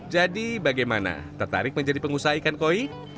jadi bagaimana tertarik menjadi pengusaha ikan koi